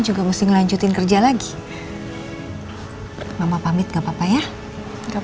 dia berbangsa banget gitu